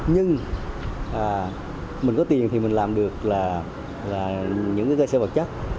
nhưng mình có tiền thì mình làm được là những cái cơ sở vật chất